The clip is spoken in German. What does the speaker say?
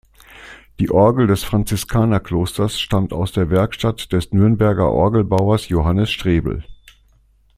Die Orgel des Franziskanerklosters stammt aus der Werkstatt des Nürnberger Orgelbauers Johannes Strebel.